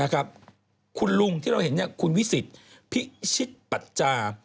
คุณลุงที่เราเห็นคุณวิสิทธิ์พิชิตปัจจา